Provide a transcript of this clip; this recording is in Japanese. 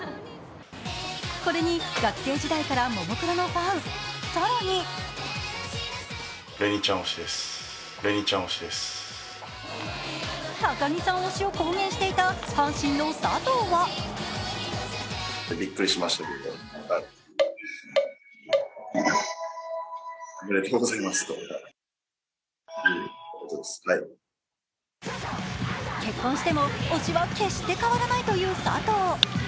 これに学生時代からももクロのファン、更に高城さん推しを公言していた阪神の佐藤は結婚しても推しは決して変わらないという佐藤。